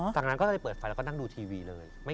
จากนั้นก็เลยเปิดไฟแล้วก็นั่งดูทีวีเลย